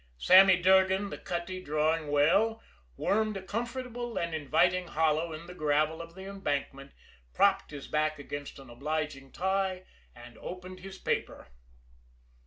Sammy Durgan, the cutty drawing well, wormed a comfortable and inviting hollow in the gravel of the embankment, propped his back against an obliging tie, and opened his paper.